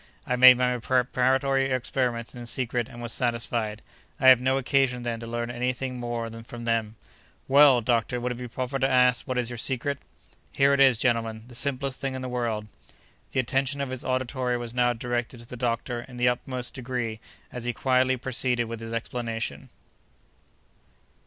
I made my preparatory experiments in secret and was satisfied. I have no occasion, then, to learn any thing more from them." "Well! doctor, would it be proper to ask what is your secret?" "Here it is, gentlemen—the simplest thing in the world!" The attention of his auditory was now directed to the doctor in the utmost degree as he quietly proceeded with his explanation.